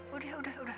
udah udah udah